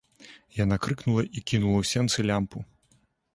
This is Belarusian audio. Яна крыкнула і кінула ў сенцы лямпу.